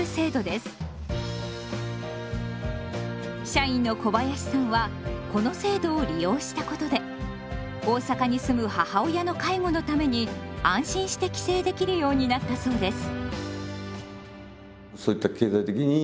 社員の小林さんはこの制度を利用したことで大阪に住む母親の介護のために安心して帰省できるようになったそうです。